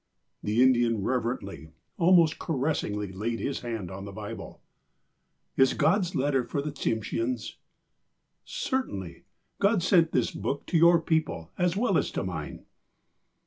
The Indian reverently, almost caressingly, laid his hand on the Bible. " Is God's letter for the Tsimsheans ^" "Certainly. God sent this Book to your people, as well as to mine."